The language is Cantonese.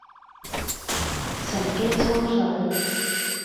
乘機抽水